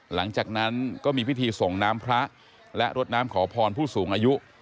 หลังจากนั้นก็มีพิธีส่งน้ำพระและรดน้ำขอพรผู้สูงอายุ